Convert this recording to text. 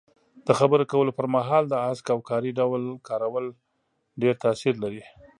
د خبرو کولو پر مهال د هسک او کاري ډول کارول ډېر تاثیر لري.